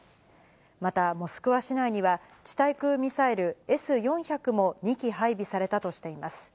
また、モスクワ市内には地対空ミサイルＳ４００も２基配備されたとしています。